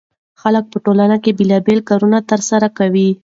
خلک په ټولنه کې بېلابېل کارونه ترسره کوي.